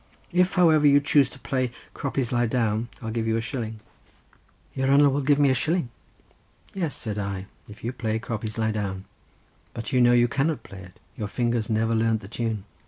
If, however, you choose to play 'Croppies Lie Down,' I'll give you a shilling." "Your hanner will give me a shilling?" "Yes," said I, "if you play 'Croppies Lie Down': but you know you cannot play it, your fingers never learned the tune."